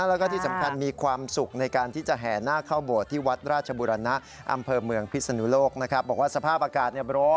แล้วก็ที่สำคัญมีความสุขในการที่จะแห่หน้าเข้าโบสถ์